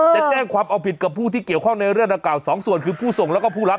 จะแจ้งความเอาผิดกับผู้ที่เกี่ยวข้องในเรื่องดังกล่าวสองส่วนคือผู้ส่งแล้วก็ผู้รับ